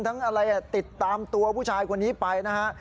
อะไรติดตามตัวผู้ชายคนนี้ไปนะฮะ